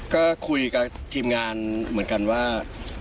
ก็คุยกับทีมงานเหมือนกันว่า